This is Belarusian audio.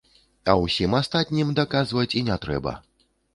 А ўсім астатнім даказваць і не трэба.